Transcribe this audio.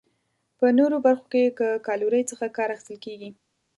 په نورو برخو کې له کالورۍ څخه کار اخیستل کیږي.